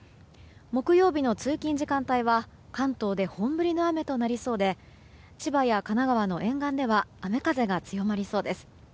木曜日の通勤時間帯は関東で本降りの雨となりそうで千葉や神奈川の沿岸では雨風が強まりそうです。